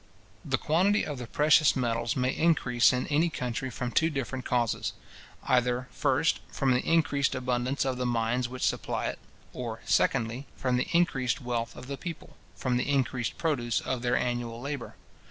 The quantity of the precious metals may increase in any country from two different causes; either, first, from the increased abundance of the mines which supply it; or, secondly, from the increased wealth of the people, from the increased produce of their annual labour.